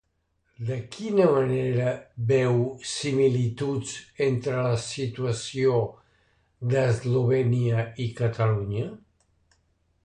De quina manera veu similituds entre la situació d'Eslovènia i Catalunya?